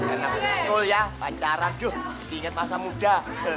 karena betul ya pacaran tuh diingat masa muda